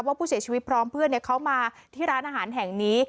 ว่าผู้เสียชีวิตพร้อมเพื่อนเขามาที่ร้านอาหารแห่งนี้